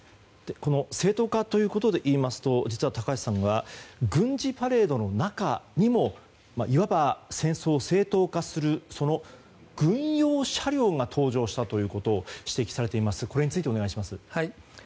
正当化ということで言いますと実は高橋さんが軍事パレードの中にもいわば戦争を正当化する軍用車両が登場したということを指摘されていますがこれについてお願いします。